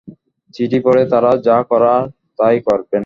চিঠি পড়ে তাঁরা যা করার তাই করবেন।